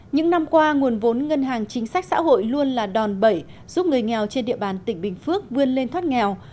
những năm qua nguồn vốn ngân hàng chính sách xã hội luôn là đòn bẩy giúp người nghèo trên địa bàn tỉnh bình phước vươn lên thoát nghèo